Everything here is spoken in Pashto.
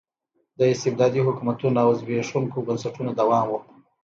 د استبدادي حکومتونو او زبېښونکو بنسټونو دوام و.